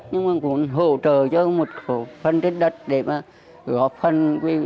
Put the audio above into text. nhưng mà cũng hỗ trợ cho một phần đất đất để mà góp phần